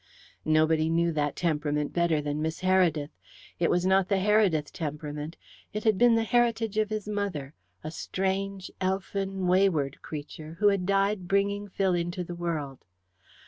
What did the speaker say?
Nobody knew that temperament better than Miss Heredith. It was not the Heredith temperament. It had been the heritage of his mother, a strange, elfin, wayward creature, who had died bringing Phil into the world.